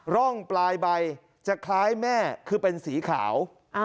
ร่องปลายใบจะคล้ายแม่คือเป็นสีขาว